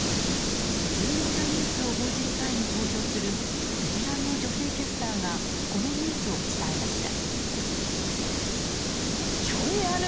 重要なニュースを報じる際に登場するベテランの女性キャスターがこのニュースを伝えました。